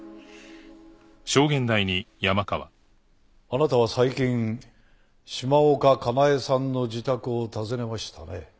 あなたは最近島岡香苗さんの自宅を訪ねましたね？